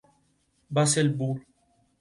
Basel; Bull.